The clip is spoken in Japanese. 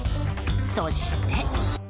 そして。